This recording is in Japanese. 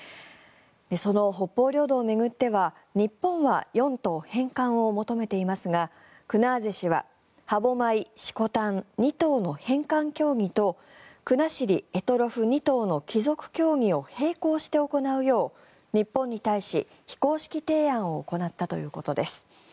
その北方領土を巡っては日本は４島返還を求めていますがクナーゼ氏は歯舞・色丹２島の返還協議と国後・択捉２島の帰属協議を並行して行うよう日本に対し、非公式提案を行ったということです。